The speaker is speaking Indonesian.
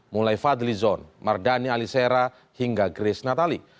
mulai fadli zon mardani alisera hingga grace natali